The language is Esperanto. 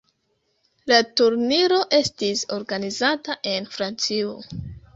La turniro estis organizata en Francio.